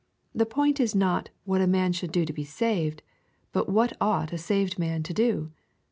The point is not what a man should do to be saved^ — but what ought a saved man to do